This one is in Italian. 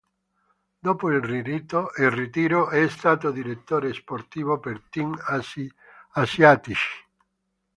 Dopo il ritiro è stato direttore sportivo per team asiatici.